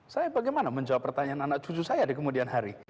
saya bagaimana menjawab pertanyaan anak cucu saya di kemudian hari